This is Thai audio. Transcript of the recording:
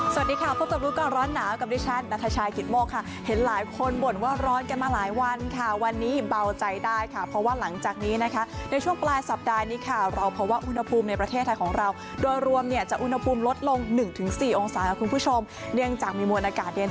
สวัสดีค่ะพบกับรู้ก่อนร้อนหนาวกับดิฉันนัทชายกิตโมกค่ะเห็นหลายคนบ่นว่าร้อนกันมาหลายวันค่ะวันนี้เบาใจได้ค่ะเพราะว่าหลังจากนี้นะคะในช่วงปลายสัปดาห์นี้ค่ะเราพบว่าอุณหภูมิในประเทศไทยของเราโดยรวมเนี่ยจะอุณหภูมิลดลง๑๔องศาค่ะคุณผู้ชมเนื่องจากมีมวลอากาศเย็น